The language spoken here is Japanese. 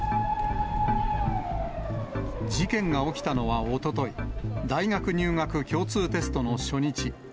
事件が起きたのはおととい、大学入学共通テストの初日。